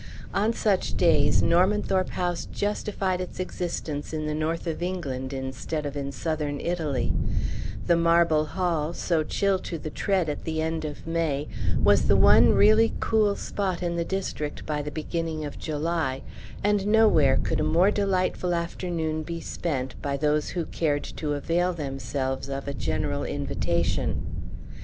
On such days Normanthorpe House justified its existence in the north of England instead of in southern Italy; the marble hall, so chill to the tread at the end of May, was the one really cool spot in the district by the beginning of July; and nowhere could a more delightful afternoon be spent by those who cared to avail themselves of a general invitation.